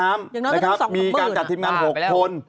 มีการจัดทีมงาน๖คน